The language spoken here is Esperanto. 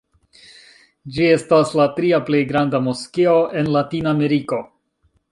Ĝi estas la tria plej granda moskeo en Latin-Ameriko.